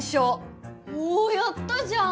おやったじゃん！